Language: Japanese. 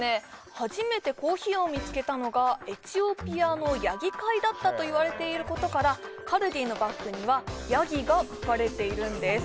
初めてコーヒーを見つけたのがエチオピアのヤギ飼いだったと言われていることからカルディのバッグにはヤギが描かれているんです